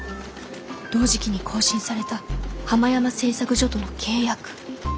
同時期に更新されたハマヤマ製作所との契約。